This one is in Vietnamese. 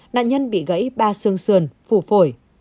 nạn nhân bị gãy ba xương xườn phủ phổi